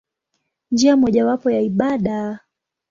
Njia mojawapo ya ibada.